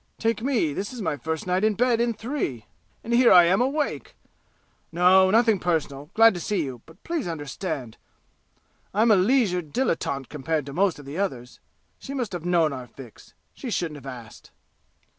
Take me; this is my first night in bed in three, and here I am awake! No nothing personal glad to see you, but please understand. And I'm a leisured dilettante compared to most of the others. She must have known our fix. She shouldn't have asked."